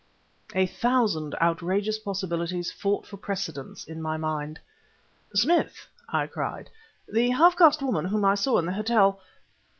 A thousand outrageous possibilities fought for precedence in my mind. "Smith!" I cried, "the half caste woman whom I saw in the hotel